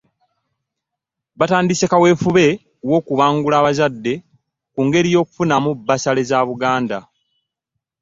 Batandise kaweefube w'okubangula abazadde ku ngeri y'okufunamu bbasale za Buganda.